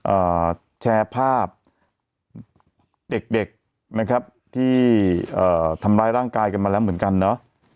อ่าแชร์ภาพเด็กเด็กนะครับที่เอ่อทำร้ายร่างกายกันมาแล้วเหมือนกันเนอะ